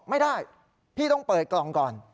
ไม่ได้พี่ต้องเปิดกล่องก่อน